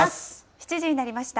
７時になりました。